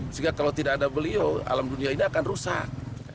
sehingga kalau tidak ada beliau alam dunia ini akan rusak